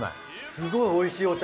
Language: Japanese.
すごいおいしいお茶